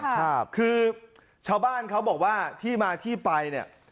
ครับคือชาวบ้านเขาบอกว่าที่มาที่ไปเนี่ย